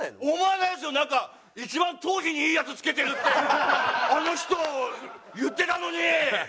なんか一番頭皮にいいやつつけてるってあの人言ってたのに。